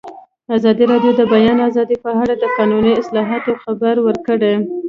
ازادي راډیو د د بیان آزادي په اړه د قانوني اصلاحاتو خبر ورکړی.